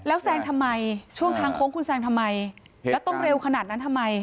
แล้วแซงทำไมช่วงทางโค้งคุณแซงทำไมแล้วต้องเร็วขนาดนั้นทำไม